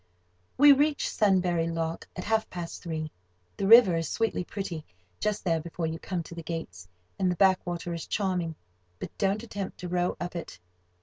We reached Sunbury Lock at half past three. The river is sweetly pretty just there before you come to the gates, and the backwater is charming; but don't attempt to row up it.